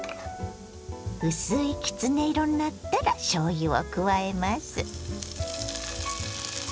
薄いきつね色になったらしょうゆを加えます。